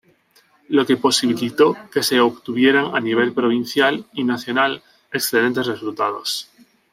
Lo que posibilitó que se obtuvieran a nivel provincial y nacional excelentes resultados.